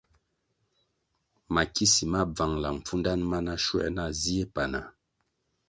Mikisi ma bvangʼla mpfudanʼ mana shuē na zie panah.